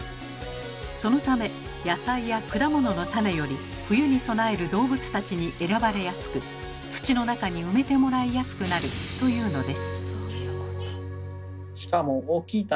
そのため野菜や果物の種より冬に備える動物たちに選ばれやすく土の中に埋めてもらいやすくなるというのです。